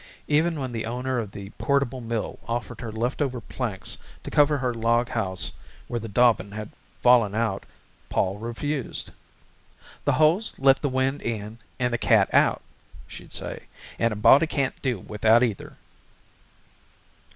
Even when the owner of the portable mill offered her leftover planks to cover her log house where the daubin had fallen out, Pol refused. "The holes let the wind in and the cat out," she'd say, "and a body can't do without either."